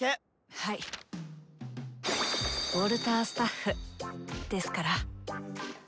ウォルタースタッフですから。